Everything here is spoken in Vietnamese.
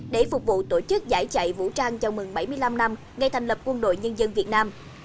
để phục vụ tổ chức giải chạy vũ trang chào mừng bảy mươi năm năm ngày thành lập quân đội nhân dân việt nam